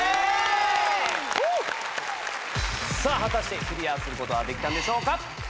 果たしてクリアすることはできたんでしょうか。